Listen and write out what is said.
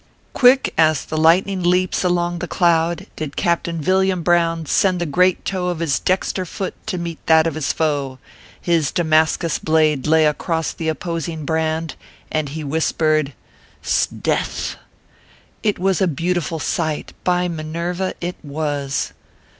Quick as the lightning leaps along the cloud did Captain Villiam Brown send the great toe of his dexter foot to meet that of his foe ; his Damascus blade lay across the opposing brand, and he whis pered :" Sdeath !" It was a beautiful sight by Minerva it was